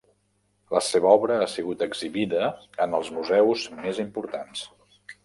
La seva obra ha sigut exhibida en els museus més importants.